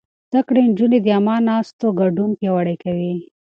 زده کړې نجونې د عامه ناستو ګډون پياوړی کوي.